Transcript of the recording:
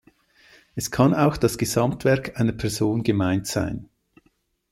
Es kann auch das Gesamtwerk einer Person gemeint sein.